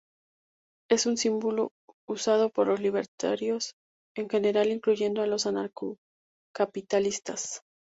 Es un símbolo usado por los libertarios en general, incluyendo a los anarcocapitalistas.